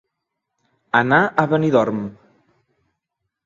Anar a Benidorm.